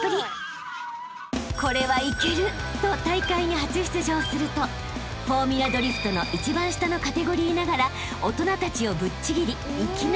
［これはいける！と大会に初出場するとフォーミュラドリフトの一番下のカテゴリーながら大人たちをぶっちぎりいきなり３位］